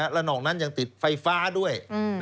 และนอกนั้นยังติดไฟฟ้าด้วย